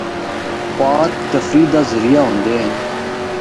پارک تفریح دا ذریعہ ہوندے ہن۔